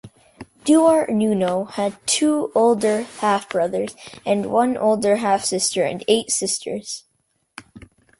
Duarte Nuno had two older half-brothers, one older half-sister and eight sisters.